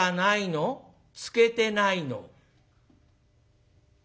「漬けてないの」。